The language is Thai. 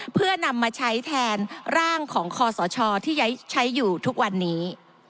เพื่อนำมาใช้แทนร่างของคอสชที่ใช้อยู่ทุกวันนี้